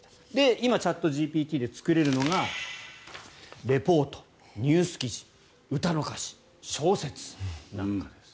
今、チャットＧＰＴで作れるのがリポート、ニュース記事歌の歌詞、小説なんかです。